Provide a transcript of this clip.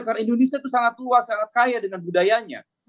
karena indonesia itu sangat luas sangat kaya dengan budayanya